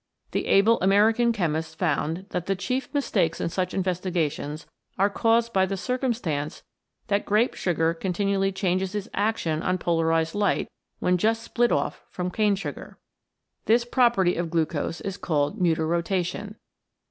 The able American chemist found that the chief mistakes in such investigations are caused by the circumstance that grape sugar continually changes its action on polarised light when just split off from cane sugar. This property of glucose is called mutarotation.